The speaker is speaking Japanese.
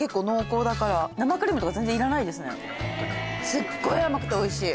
すっごい甘くておいしい。